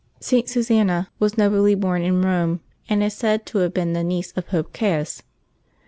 St. Susanna was nobly born in Rome, and is said to have been niece to Pope Caius.